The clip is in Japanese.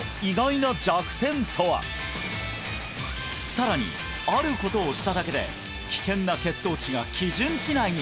さらにあることをしただけで危険な血糖値が基準値内に！